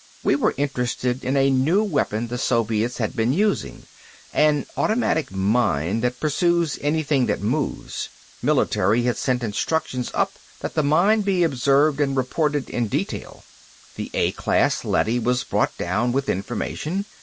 We were interested in a new weapon the Soviets have been using, an automatic mine that pursues anything that moves. Military had sent instructions up that the mine be observed and reported in detail. "This A class leady was brought down with information.